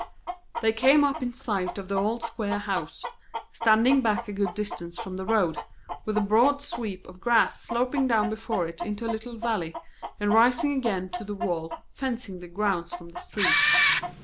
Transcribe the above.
They came up in sight of the old square house, standing back a good distance from the road, with a broad sweep of grass sloping down before it into a little valley, and rising again to the wall fencing the grounds from the street.